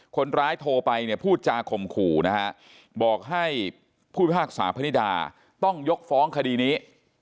คนร้ายโทรไปเนี่ยพูดจาข่มขู่นะฮะบอกให้ผู้พิพากษาพนิดาต้องยกฟ้องคดีนี้